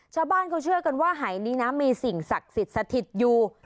ชาวบ้านเขาเชื่อกันว่าหายนี้นะมีสิ่งศักดิ์สิทธิ์สถิตอยู่